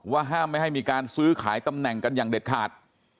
ห้ามไม่ให้มีการซื้อขายตำแหน่งกันอย่างเด็ดขาด